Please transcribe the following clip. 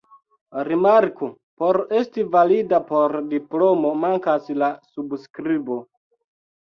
Rimarko: por esti valida por diplomo mankas la subskribo.